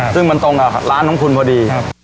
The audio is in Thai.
ซึ่งมันตรงกับร้านของคุณพอดี